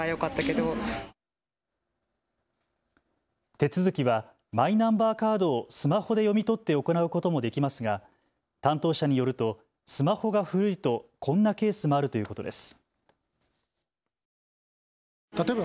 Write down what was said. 手続きはマイナンバーカードをスマホで読み取って行うこともできますが担当者によるとスマホが古いとこんなケースもあるということです。